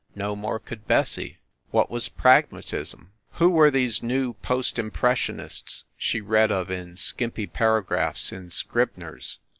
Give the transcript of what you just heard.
No more could Bessie. What was Prag matism? Who were these new post impressionists she read of in skimpy paragraphs in Scribner s?